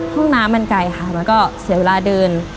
ห้องน้ำมันไกลค่ะมันก็เสียเวลาเดิน